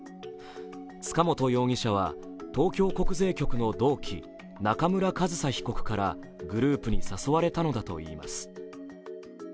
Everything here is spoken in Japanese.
塚本容疑者は、東京国税局の同期、中村上総被告からグループに誘われたのだといいます。